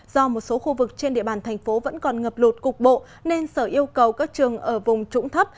do một số khu vực trên địa bàn thành phố vẫn còn ngập lụt cục bộ nên sở yêu cầu các trường ở vùng trũng thấp